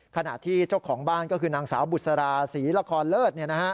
ขณะที่เจ้าของบ้านก็คือนางสาวบุษราศรีละครเลิศ